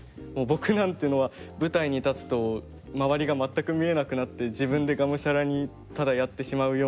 僕なんていうのは舞台に立つと周りが全く見えなくなって自分でがむしゃらにただやってしまうような人でして。